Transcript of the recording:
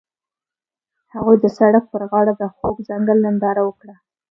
هغوی د سړک پر غاړه د خوږ ځنګل ننداره وکړه.